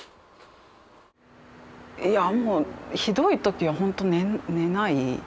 いやもうひどい時はほんと寝ない。